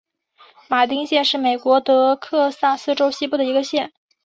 马丁县是美国德克萨斯州西部的一个县。